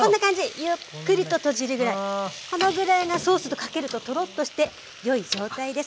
このぐらいがソースとかけるとトロッとして良い状態です。